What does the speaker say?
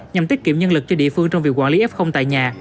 nhằm tiết kiệm nhân lực cho địa phương trong việc quản lý f tại nhà